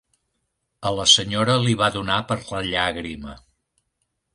A la senyora li va donar per la llàgrima.